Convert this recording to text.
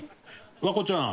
環子ちゃん